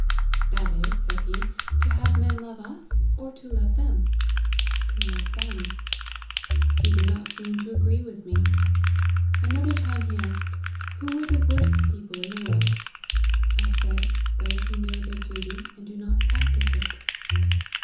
That is,' said he, to have men love us, or to love them ?'' To love them.' He did not seem to agree with me. Another time he asked, ' Who were the worst people in the world ?' I saidj * Those who know their duty, and do not practise it.'